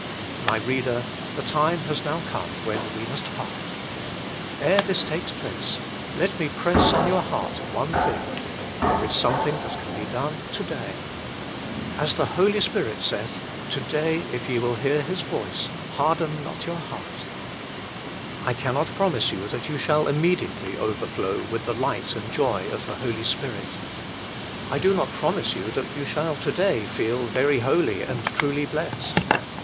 My reader, the time has now come when we must part. Ere this takes place, let me press on your heart one thing. There is something that can be done to day. As the Holy Spirit saith :" To day, if ye will hear His voice, harden not your heart." l I cannot promise that you shall immediately overflow with the light and joy of the Holy Spirit. I do not promise you that you shall to day feel very holy and truly blessed.